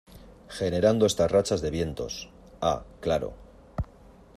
generando estas rachas de vientos. ah, claro .